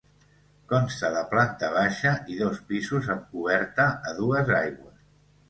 Consta de planta baixa i dos pisos amb coberta a dues aigües.